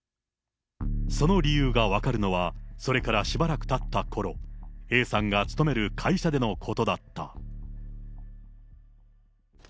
その理由が分かるのは、それからしばらくたったころ、Ａさんが勤める会社でのことだった。